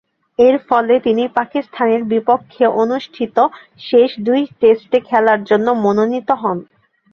এরফলে তিনি পাকিস্তানের বিপক্ষে অনুষ্ঠিত শেষ দুই টেস্টে খেলার জন্য মনোনীত হন।